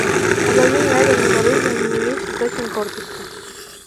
Обладание ядерным оружием не есть источник гордости.